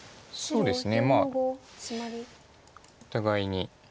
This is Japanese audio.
そうですね。